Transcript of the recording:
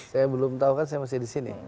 saya belum tahu kan saya masih di sini